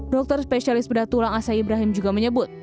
dokter spesialis bedah tulang asa ibrahim juga menyebut